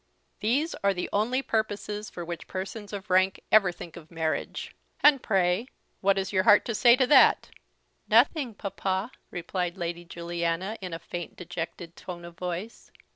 These are the only purposes for which persons of rank ever think of marriage. And pray, what has your heart to say to that?" "Nothing, papa," replied Lady Juliana in a faint dejected tone of voice.